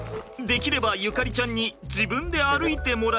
できれば縁ちゃんに自分で歩いてもらいたい。